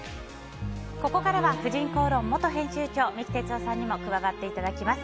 ここからは「婦人公論」元編集長三木哲男さんにも加わっていただきます。